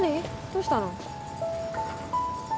どうしたの？